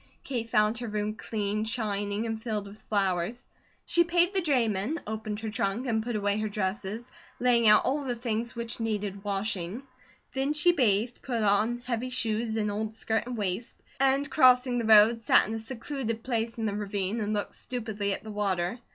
Kate found her room cleaned, shining, and filled with flowers. She paid the drayman, opened her trunk, and put away her dresses, laying out all the things which needed washing; then she bathed, put on heavy shoes, and old skirt and waist, and crossing the road sat in a secluded place in the ravine and looked stupidly at the water.